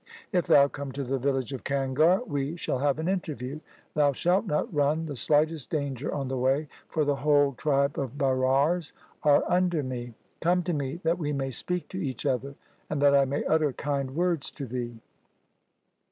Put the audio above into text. If thou come to the village of Kangar, we shall have an interview. Thou shalt not run the slightest danger on the way, for the whole tribe of Bairars 1 are under me. Come to me that we may speak to each other, and that I may utter kind words to thee.